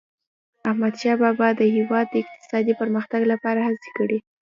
احمدشاه بابا د هیواد د اقتصادي پرمختګ لپاره هڅي کړي.